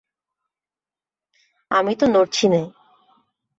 আমি তো নড়ছি নে।